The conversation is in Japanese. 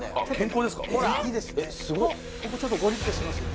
ここちょっとゴリッとしてますよ